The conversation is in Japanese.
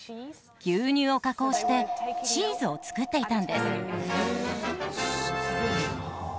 牛乳を加工してチーズを作っていたんです